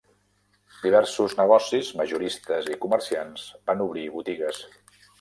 Diversos negocis, majoristes i comerciants, van obrir botigues.